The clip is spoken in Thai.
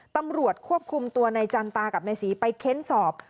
ตำรวจควบคุมตัวในจันตากับนายศรีไปเค้นสอบ